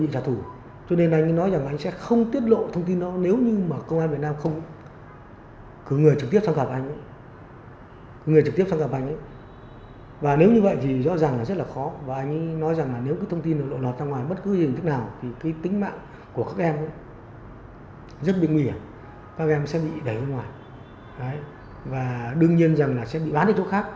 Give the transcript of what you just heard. các em sẽ bị đẩy ra ngoài và đương nhiên rằng là sẽ bị bán đến chỗ khác